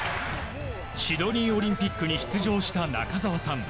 シドニーオリンピックに出場した、中澤さん。